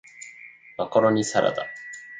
マカロニサラダ